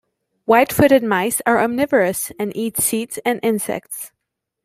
White-footed mice are omnivorous, and eat seeds and insects.